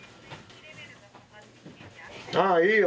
ああいいよ。